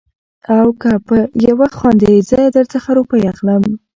او که په يوه خاندې زه در څخه روپۍ اخلم.